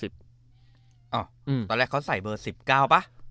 ตอนแรกเขาใส่เบอร์๑๙ป่ะ